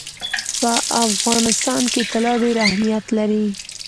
په افغانستان کې طلا ډېر اهمیت لري.